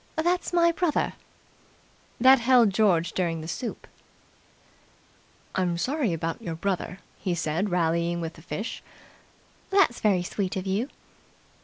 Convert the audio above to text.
"That's my brother." That held George during the soup. "I'm sorry about your brother," he said rallying with the fish. "That's very sweet of you."